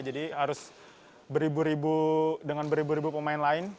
jadi harus beribu ribu dengan beribu ribu pemain lain